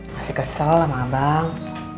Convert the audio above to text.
masih kesel sama abang